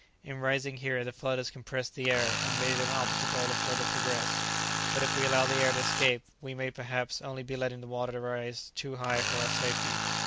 In rising here the flood has compressed the air, and made it an obstacle to further progress, but if we allow the air to escape, we may perhaps only be letting the water rise too high for our safety.